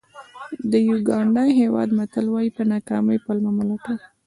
د یوګانډا هېواد متل وایي په ناکامۍ پلمه مه لټوئ.